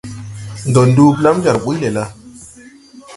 Ndɔ nduu blam jar ɓuy le la ?